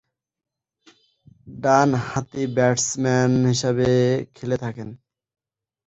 ডানহাতি ব্যাটসম্যান হিসেবে খেলে থাকেন।